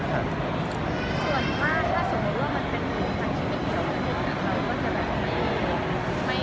แต่เขาเด็กนะเขาไม่ได้ดีกันตลอดเวลาเหมือนเราผู้ใหญ่